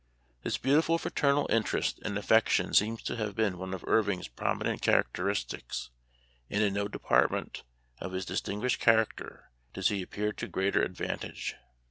This beautiful fraternal interest and affection seems to have been one of Irving's prominent characteristics, and in no department of his distinguished char acter does he appear to greater advantage.